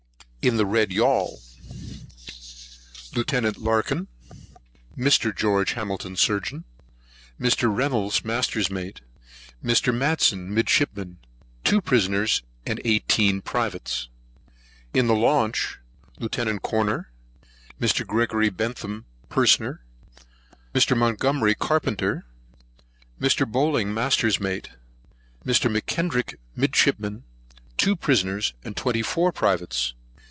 In the Red Yaul: Lieut. Larkan, Mr. Geo. Hamilton, Surgeon, Mr. Reynolds, Master's Mate, Mr. Matson, Midshipman, Two Prisoners, Eighteen Privates. In the Launch: Lieut. Corner, Mr. Gregory Bentham, Purser, Mr. Montgomery, Carpenter, Mr. Bowling, Master's Mate, Mr. M'Kendrick, Midshipman, Two Prisoners, Twenty four Privates.